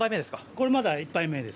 これまだ１杯目です。